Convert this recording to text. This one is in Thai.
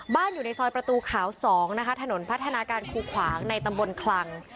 อยู่ในซอยประตูขาว๒นะคะถนนพัฒนาการคูขวางในตำบลคลัง